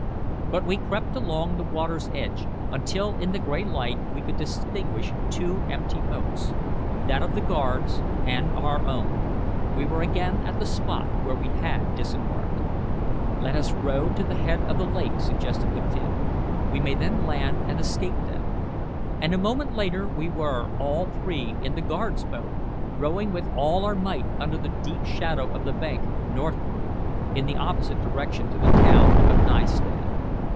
But we crept along the water's edge, until in the gray light we could distinguish two empty boats that of the guards and our own. We were again at the spot where we had disembarked. "Let us row to the head of the lake," suggested the Finn. "We may then land and escape them." And a moment later we were all three in the guards' boat, rowing with all our might under the deep shadow of the bank northward, in the opposite direction to the town of Nystad.